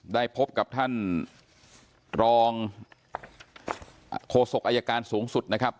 ได้พบกับท่านรองโฆษกอายการสูงสุดนะครับ